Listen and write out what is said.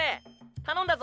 頼んだぞ。